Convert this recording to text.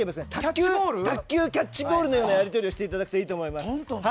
卓球キャッチボールみたいなことをしていただくといいと思います。